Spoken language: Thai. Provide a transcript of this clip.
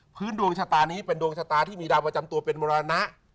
ดวงชะตานี้เป็นดวงชะตาที่มีดาวประจำตัวเป็นมรณะ